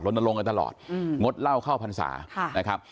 ลงกันตลอดงดเหล้าเข้าพรรษานะครับ